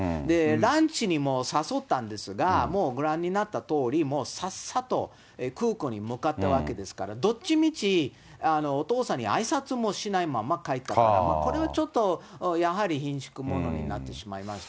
ランチにも誘ったんですが、もうご覧になったとおり、もうさっさと空港に向かったわけですから、どっちみち、お父さんにあいさつもしないまま帰った、これはちょっとやはりひんしゅくものになってしまいました。